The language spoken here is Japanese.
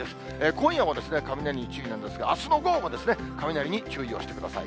今夜も雷に注意なんですが、あすの午後も雷に注意をしてください。